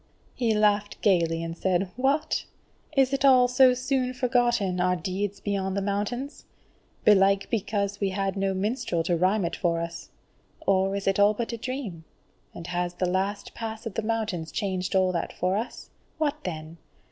He laughed gaily and said: "What! is it all so soon forgotten, our deeds beyond the Mountains? Belike because we had no minstrel to rhyme it for us. Or is it all but a dream? and has the last pass of the mountains changed all that for us? What then!